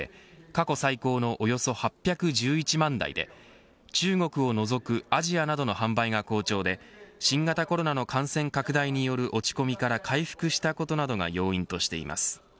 過去最高のおよそ８１１万台で中国を除くアジアなどの販売が好調で新型コロナの感染拡大による落ち込みから回復したことなどが要因としています。